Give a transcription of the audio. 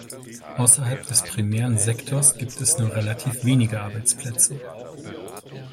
Ausserhalb des primären Sektors gibt es nur relativ wenige Arbeitsplätze.